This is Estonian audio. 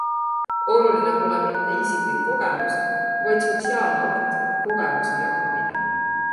Oluline pole mitte isiklik kogemus, vaid sotsiaalne akt, kogemuse jagamine.